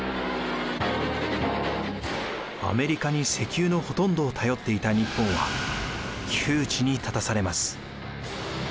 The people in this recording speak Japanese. アメリカに石油のほとんどを頼っていた日本は窮地に立たされます。